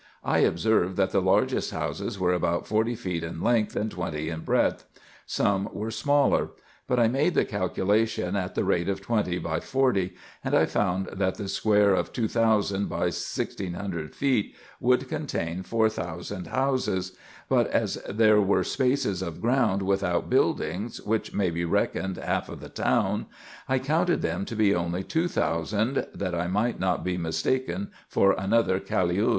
I observed that the largest houses were about forty feet in length, and twenty in breadth ; some were smaller ; but I made the calculation at the rate of twenty by forty, and I found that the square of 2000 by 1600 feet would contain 4000 houses ; but, as there were spaces of ground without buildings, which may be reckoned half of the town, I counted them to be only 2000, that I might not be mistaken for another Caliud.